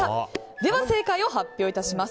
では、正解を発表します。